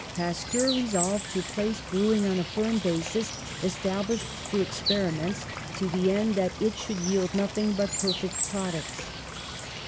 Pasteur THE SPIRIT OF PATRIOTISM 109 resolved to place brewing on a firm basis^ es tablished through experiments, to the end that it should yield nothing but perfect products.